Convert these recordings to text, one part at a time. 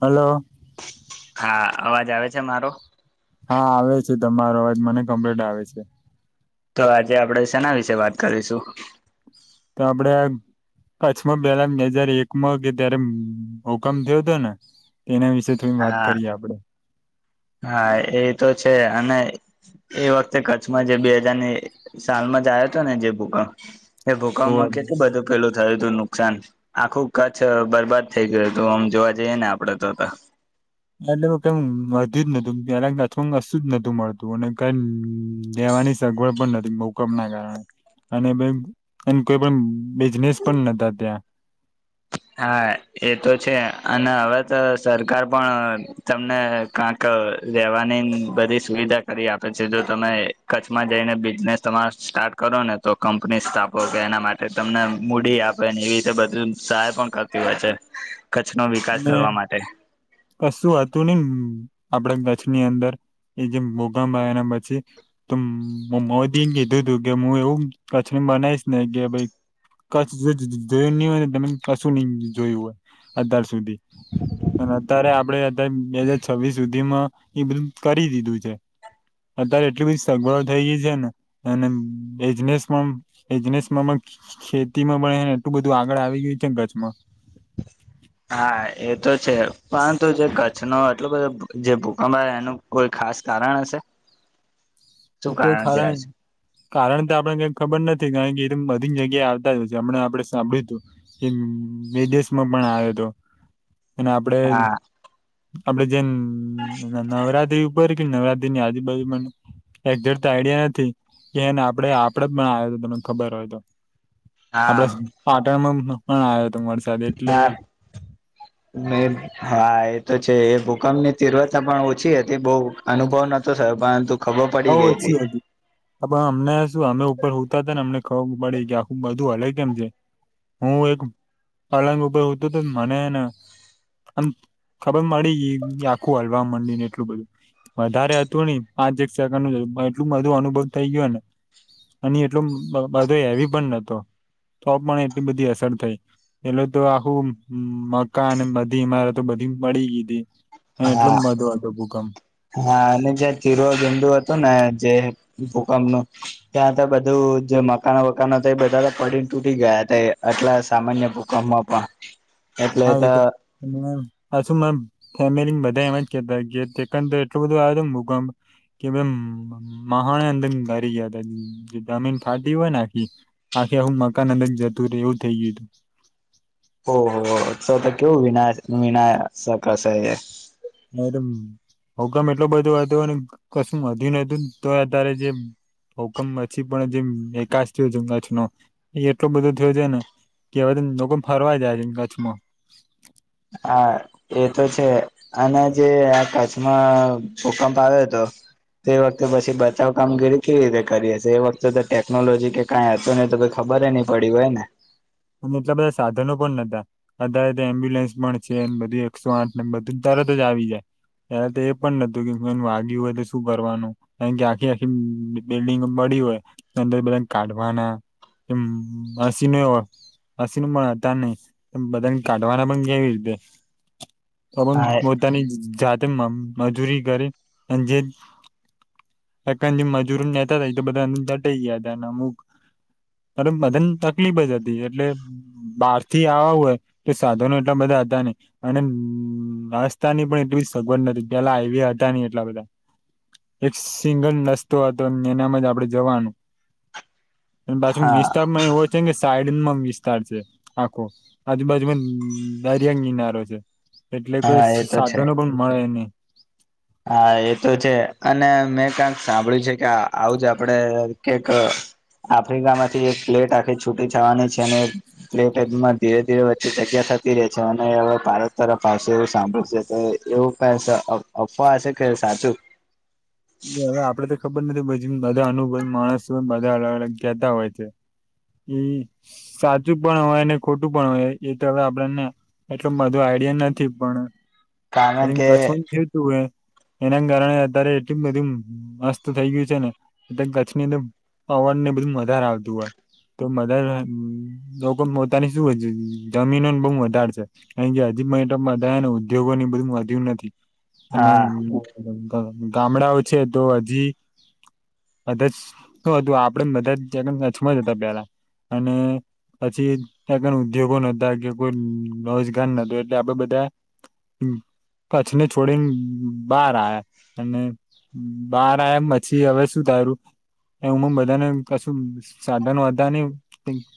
Hello હા અવાજ આવે છે મારો હા આવે છે તમારો અવાજ મને કમ્પ્લેટ આવે છે તો આજે આપડે સેના વિશે વાત કરીશું તો આપડે કચ્છમાં પહેલા બે હાજર એકમાં કે ત્યારે ભુકમ થયો હતો ને તેના વિશે થોડી વાત હા કરીએ આપડે હા એ તો છે અને એ વખતે કચ્છમાં જે બે હાજારની એ સાલમાં જ આવ્યો હતો ને જે ભુકપ એ ભૂકંપ માં કેટલ બધું પેલું થયું હતું ન નુકસાન આખું કચ્છ બરબાદ થઈ ગયું હતું આમ જોવા જઈએ ને આપડે તો એટલે કમ વધ જ નું એ અથવાશતું જ નતું મળતું અને કઈ વાની સગવડ પણ નથી મોકંપના કારણે અને એ કોઈ પણ બિઝનેસ પણ નતા ત્યાં હા એ તો છે અને હવે તો સરકાર પણ તમને કક રેવાની બધી સુવિધા કરી આપે છે જો તમે કચ્છમાં જઈને બિઝનેસ તમારા સ્ટાર્ટ કરો ને તો કંપની સ્થાપો કે એના માટે તમને મૂડી આપે ને એવી રીતે બધું સાહેબ પણ કરતી હોય છે કરવા માટે કશું હતું ને આપડા કચ્છની અંદર એ જેમ ભૂકંપ આયા પછી તો મોદીને કીધું તું કે હું એવું કચ્છ બનાઈશ ને કે ભાઈ કચ્છ જોયું નહી હોય તમે કશું નહી જોયું હોય અત્યાર સુધી અને અત્યારે આપડે અત્યારે બે હાજર છવ્વીસ સુધી માં એ બધું કરી દીધું છે અત્યારે એટલી બધી સગવડ થઈ ગઈ છે ને અને એજનેસમાં એજનેસ ખેતીમાં પણને એટલું બધું આગળ આવી ગયું છે ને કચ્છ મા હા એ તો છે પરંતુ જે કચ્છ ણો એટલો બધો જે ભૂકંપ એનું કોઈ ખાસ કારણ હશે એ શું તો છે કારણ કારણ તો આપણે ક ખબર નથી કારણ કે બધી જગ્યાએ આવતા જય છે હમં આપડે સાંભળ્યું હતું કે વિદેશ માં પણ આવ્યો હતો અને આપડે હા આપડે જે નવરાત્રી ઉપર કે નવરાત્રી ની આજુબાજુ ને એક્ઝે તો આઈડિયા નથી કે એને આપડ આપડ પણ આવ તો તને ખબર હોય તો હા આપડે પાટણમાં પણ આવ હા હા એ તો છે એ ભૂ કમ ની તીવ્રતા પણ ઓછી હતી બહ અનુભવ નતો થયો પરંતુ ખબર બઉ પડી ગઈ ઓછી હતી પણ અમને શું અમે ઉપર હુતા હતા ને અમને ખબર પડે કે આખું બધું હલે કેમ છે હું એક પલંગ ઉપર હતું તો મનેને અમ ખબર મળડી આખું હલવા માંડી ને એટલું બધું વધારે હતું નહી પાંચ એક સેકન્ડ ન એટલું બધું અનુભવ થઈ ગયોને અને એટલો બધો હેવી પણ નતો તો પણ એટલી બધી અસર થઈ પેલું તો આખું મકાન બધી ઈમાર તો બધી મળી ગીતી હા હા અને જ્યાં તીર ગંદુ ને જે ભૂકંપનું ત્યાં તો બધું જે મકાનો વકાનો બધા પડી તૂટી ગયા હતા આટલા સામાન્ય ભૂકંપમાં પણ એટલે તો આ તો સુંમ ફેમલી બધા એમ જ કેતા તો એટલું બધું આવ ભૂગંમ કે મહાણ અંદર ભરી ગયા હતા જમીન ફાટી હોય ને આખી આખી હું મકાનંદન જતું રે એવું થઇ ગયું હતું ઓહ તો તો કેવું વિના વિના શકશે એ મઅરે ભૂકંપ એટલું બધું હતું અને કશું વધુ નતું તો અત્યારે જે ભૂકંપ પછી પણ જેમ વિકાસ થયો છે કચછનો એટલો બધો થયો છે ને કેવા લોકો ફરવાઈ જાય છે ને કચ્છમાં હા એ તો છે અને જે કચ્છમાં ભૂકંપ આવ્યો હતો તે વખતે પછી બચાવ કામગીરી કેવી રીતે કરીએ હીએ એ વખતે તો ટેકનોલોજી કે કઈ હતું નહી તો ખબર નહી પડી હોય ને અને એટલા બધા સાધનો પણ અતારે એમ્બ્યુલન્સ પણ છે બધું એકસો આઠ બધું તરત જ આવી જાય એ તો એ પણ નતું કે એ વાગ્યું હોય તો શું કરવાનું કાર કે આખી આખી બિલ્ડીંગ બ હોય અંદર બધા કાઢવાના કે મશીનો હોય મશીન પણ હતા નહી બધાને કાઢવાના પણ કેવી રીતે હા પોતાની જાતે મજૂરી કરે અને જે એ જે મજૂરો નહતા હતાાય તો બધા દટ ગયા હતાના અમુક અ બધાને તકલીફ જ હતી એટલે બહાર થી આવા હોય તો સાધનો એટલા બધા હતા ને અને નાસ્તા ની પણ એટલી સગવડ નથી પેલા હાઈવે હતા ન‌ઇ એટલા બધા એક સિંગલ રસ્તો હતો અને એનામાં જ આપણે જવાનું બાછુ હા વિસ્તારમાં એ હો છે કે સાઈડમાં વિસ્તાર છે આખો આજુબાજુમાં દરિયા કિનારો છે એટલે કોઈ હા એ તો છે સાધનો પણ મળે નહી હા એ તો છે અને મેં કંક સાંભળ્યું છે કે આવુંજ આપડે કેક આફ્રિકામાંથી એક પ્લેટ આખી છૂટી થવાની છે અને પ્લેટ માં ધીરે ધીરે વચ્ચે જગ્યા થતી રહે છે અને હવે ભારત તરફ આવશે એવું સાંભળશે તો એવું કાયક અફવા છે કે સાચું એ હવે આપડે તો ખબર નથી પી બધા અનુભ માણસ બધા અલગ અલગ કહેતા હોય છે એ સાચું પણ હોય ને ખોટું પણ હોય એ તો હવે આપડેને એટલે માધું આઈડિયા નથી પણ કારણ કે આ થયું તું [inaudible] એના કારણે અત્યારે એટલું બધું મસ્ત થઈ ગયું છે ને એ કચ્છની અંદર પવન ને બધું વધારે આવતું હોય તો મધર લોકો પોતાની શું જમીનોને બહુ વધારે છે ક ગજ ા ને ઉદ્યોગોની બધું વધ્યું નથી અને હા ગામડાઓ છે તો હજી બધા જ શ હતું આપડે બધા જન્મ કચ્છ માં જ હતા પેલા અને પછી ત્યાં ક ઉદ્યોગો નોતા કે કોઈ રોજગાર નોતુ એટલે આપણે બધાંયે કચ્છને છોડીને બાર આયા અને બાર આયા એમ પછી હવે શું તારું એમાં બધાને કશું સાધનો હતા નેઈ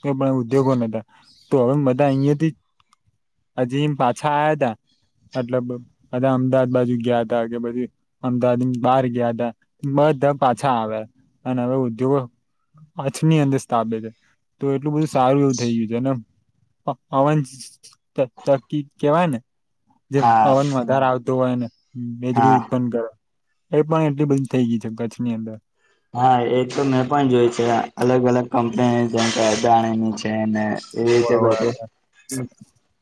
પણ ઉદ્યોગો નોતા તો હવે બધાય અહિયાયા થી હજી પાછા આયા તા મતલબ બાઘા અમદાવાદ બાજુ ગયા હતાા કે પછી અમદાવાદ બહાર ગયા તા બધા પાછા આવ્યા હ ન ઉઘોગ કછની અંદર સ્થાપે છે તો એટલું બધું સારું એવું થઈ ગયું છે નેમ અવન ત તકી કેવાય ને જેમ હા પવન વધારે આવતો હોય ને મેજડી હા ઉત્પન્ન કરયો એ પણ એટલી બધી થઇ ગ‌ઇ છે કચ્છની અંદર હા એ તો મેં પણ જોય છે અલગ અલગ કંપની જેમ કે અદાણીની નેને એવી હોવે રીતે હોવે બધ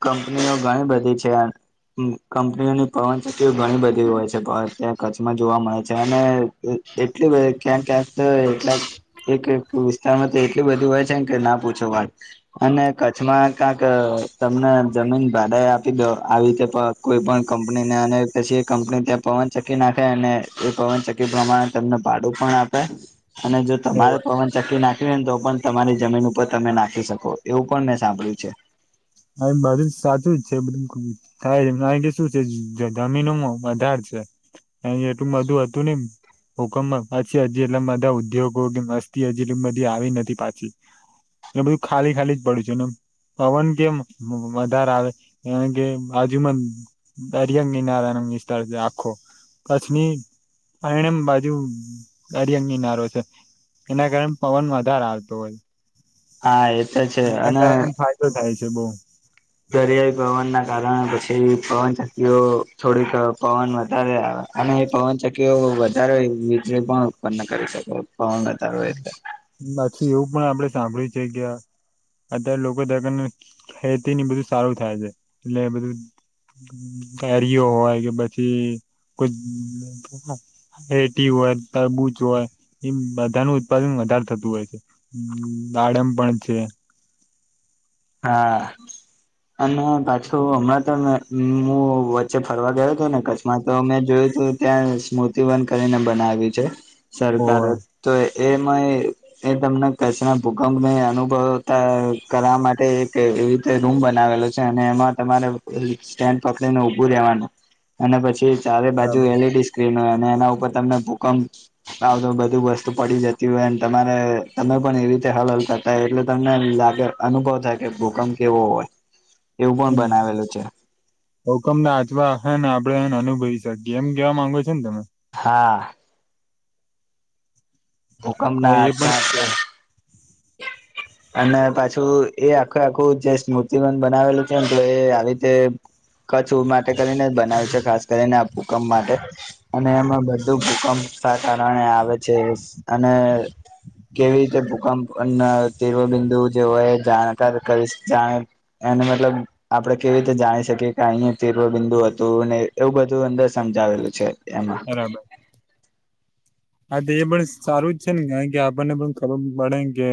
કંપનીઓ ઘણી બધી છે કંપનીઓની પવનચક્તિઓ ઘણી બધી હોય છે ત્યાં કચ્છમાં જોવા મળે છે અને એટલું ક્યાંક ક્યાંક તો એટલા એક એક વિસ્તારમાં તો એટલી બધી હોય છેને કે ના પૂછો વાળ અને કચ્છમાં ક્યાંક તમને જમીન ભાડા એ આપી દો આવી રીતે કોઈ પણ કંપનીને અને પછી કંપની પવન ચકી નાખે અને એ પવનચક્કી પ્રમાણે તમને આપે અને જો તમારે હોવે. પવન ચક્કી નાખ તો પણ તમારી જમીન ઉપર તમે નાખી શકો એવું પણ મેં સાંભળ્યું છે બધું સાચું જ છે બધું થાય છે કે શું છે જમીનોમાં વધાર છે અ એટું બધું હતું ને હુકમમાં પછી હજી એટલા બધા ઉદ્યોગો કે વસ્તી હજી એટલી બધી આવી નથી પાછી એટલે બધું ખાલી ખાલી જ પડ્યું છે નેમ પવન કેમ વધારે આવે એ કે હજુમાં દરિયા કિનારાય ન વિસ્તાર છે આખો કચ્છની પરણમ બાજુ દરિયાં‌ કિનારો છે. એના કારણે પવન વધારે આવતો હોય હા એ તો છે મહેનત અને કરવા એમ ફાયદો થાય છે બઉ દરિયાઈ પવન ના કારણે પછી પવનશક્તિઓ થોડીક પવન વધારે આવે અને એ પવનચકીઓ વધારે વીજળી પણ ઉત્પન્ન કરી શકો પાછી, એવું પણ આપડે સાંભળ્યું છે, ગ્યા અત્યારે લોકો દ ખેતી ની બધું સારું થાય છે એટલે બધું. પરીઓ હોય, કે પછી કોઈ હેટી હોય, તરબૂજ હોય એમ બધ બધાનું ઉત્પાદન વધારે થતું હોય છે, આાડમ પણ છે. હા અને પાછુ હમણા, તો હું વચ્ચે ફરવા ગયો હતો ને કચ્છમા, તો મેં જોયુ ત્યાં સ્મૃતિવન કરીને બનાવી છે, હોવે સરકારે તો એમાં એ, તમને કચ્છના ભૂકંપ અનુભવતા કરવા માટે એક રીતે રૂમ બનાવેલો છે, અને એમાં તમારે સ્ટેન્ડ પકડીને ઉભુ રેવાનુ અને પછી, ચારે બાજુ બરાબર એલઈડી સ્ક્રીન હોય, અને એના ઉપર તમને ભૂકપ આવ તો બધું વસ્તુ પડી જતી, હોય, તમારે તમે પણ એવી રીતે હલ હલ થતા, હો એટલે તમને આગ અનુભવ થાય, કે ભૂકપ કેવો હોય. એવું પણ હમ્મ, બનાવેલું છે ભકમ નાચવા હે આપડેને અનુભાઈ સા કેમ કેવા માંગો છ છેને, તમે હા ભૂકમ હા ના એ પણ છે આ અને પાછુ એ આખું આખું જે સ્મૃતિબન બનાવેલું છે ને, તો એ આવી રીતે કચ્છ, માટે કરીને જ બનાવ છે, ખાસ કરીને આ ભુકંમ માટે અને એમાં બધુ ભૂકપ સા કારણે આવે છે, અને કેવી રીતે ભૂકપ તીવ બિંદુ જે હોય, એ જાણકાર કરી જાણે એને મતલબ આપડણે કેવી રીતે જાણી શકીએ. કે અહી તીરવ બિંદુ હતુ, ને એવું બધું અંદર સમજાવેલું છે. એમા બરાબર હા, તો એ પણ સારું જ છેને, કારણ કે આપણને પણ ખબર પડે કે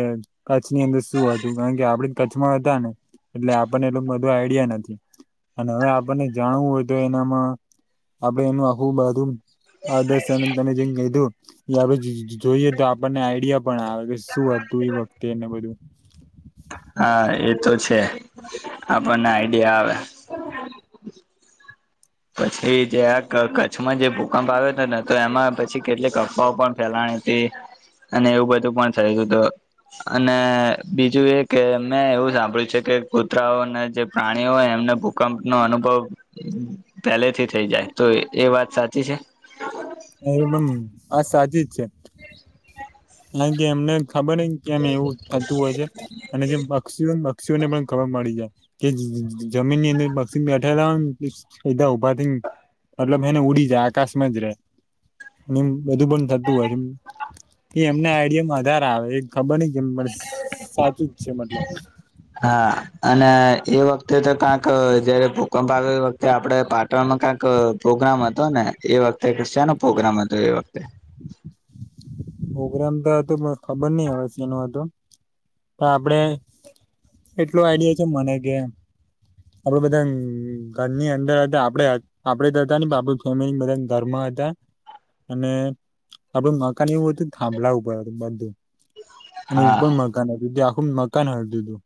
કચ્છની અંદર શું હતુ કારણ કે આપડ કચ્છમાં હતા, ને એટલે આપણને એટલું બધું આઈડિયા નથી. અને હવે, આપણને જાણવું હોય તો એનામાં આપડ એનું આખું બાધુ હ દસન તમે જેમ કીધું એ જો જો જોઈએ, તો આપણને આઈડિયા પણ આવે શું હતુ, વખતિ એને બધું હા, એ તો છે, આપણને આઈડિયા આવે પછી, જે આ કચ્છમાં જે ભૂકંપ આવ્યો હતો ને તો એમાં પછી, કેટલીક અફવાઓ પણ ફેલાણી હ તે અને એવું બધું પણ થયુ હતુ અને બીજું એ કે મેં એવું સાંભળ્યું છે, કે કૂતરાઓ અને જે પ્રાણીઓ એમને ભૂકંપનોો અનુભવ. પેલેથી થઈ, જાય તો એ વાત સાચી છે. એમ આ સાચી જ છે, કાર કે એમને ખબર ન કેમ એવું થતું હોય છે, અને જે પક્ષીઓને પક્ષીઓને પણ ખબર મળડી જાય, કે જમીન ની અંદર પક્ષી બેઠાલાા પથીંગ મતલબ, એને ઉડીજ આકાશ મજ નિમ બધું પણ થતું હોય છે, એ એમના આઈડિયામાં વધધારે આવે ખબર નહ કેમ મને સાચું જ છે, મતલબ હા અને એ વખતે, તો કાંક જયારે ભૂકંપ આવે્યો એ વખતે આપડે પાટણમાં ક્યાંક પ્રોગ્રામ હતો, ને એ વખતે છેનો, પ્રોગ્રામ હતો એ વખતે પ્રગ્રામ, તો હતુ પણ ખબર નહ હવે તેનું હતું તો આપણે એટલું આઈડિયા છે, મને કેમ આપડે બધા ઘરની અંદર હતા, આપડે આપડે હતા ને આપ ફેમિલી બધા ઘરમા અને, આપડે મકાનીવુ થાંભલાર બધું અને હા ઉપર મકાનીધુ, આખુ મકાન હ તીધુ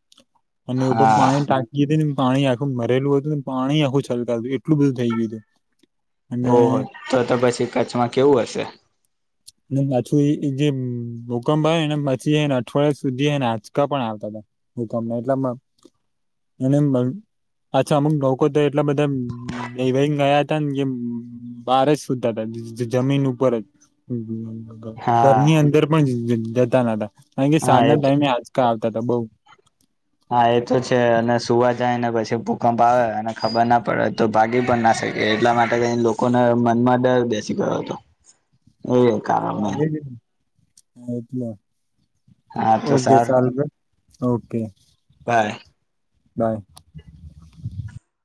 અને એભ, મા હા એને ટાંકી હતી ને પાણી આખું ભરેલું હતું ને પાણી આખું છલકાતું હતું એટલું બધું થઈ ગયું હતું. અને ઓહ તો તો પછી કચ્છમાં કેવું હશે? માછું એ જે ભૂકંપ આવે ને પછી એ અઠવાડિયા સુધી એ આંચકા પણ આવતા હતા. હમ એટલેમાં એને અચ્છા અમુક લોકો તો એટલા બધા હેવાઈને ગયા હતા ને કે બહાર જ સુતા હતા. જમીન ઉપર જ હા ઘરની અંદર પણ જતા નહોતા કારણ કે હા એ સાંજના ટાઈમે આંચકા તો બઉ હા એ તો છે અને સુવા જાય ને પછી જે ભૂકંપ આવે અને ખબર ના પડે તો ભાગી પણ ના શકે એટલા માટે ક લોકોને મનમાં ડર બેસી ગયો હતો એ હા કારણને હા એટલે હા તો ઓકે સારું ચાલ ઓકે બાય બાય.